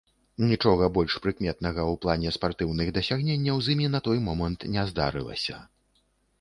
Нічога больш прыкметнага ў плане спартыўных дасягненняў з імі на той момант не здарылася.